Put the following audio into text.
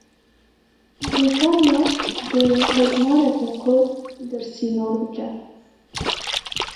Brîtanya dê hejmarek Kurd dersînor bike.